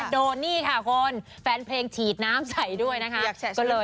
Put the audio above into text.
โดนนี่ค่ะคุณแฟนเพลงฉีดน้ำใส่ด้วยนะคะ